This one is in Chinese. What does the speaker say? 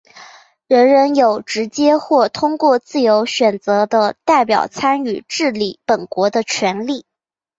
人人有直接或通过自由选择的代表参与治理本国的权利。